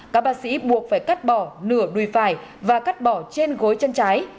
các bác sĩ buộc phải cắt bỏ nửa đùi phải và cắt bỏ trên gối chân trái